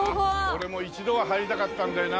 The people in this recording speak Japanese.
俺も一度は入りたかったんだよな。